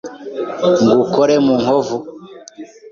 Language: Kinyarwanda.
Ngukore mu nkovu ?